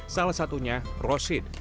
salah satunya roshid